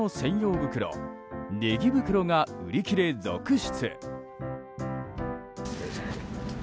袋ねぎ袋が売り切れ続出。